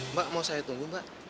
mbak mau saya tunggu mbak